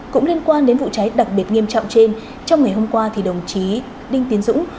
cũng liên quan đến vụ cháy đặc biệt nghiêm trọng trên trong ngày hôm qua đồng chí đinh tiến dũng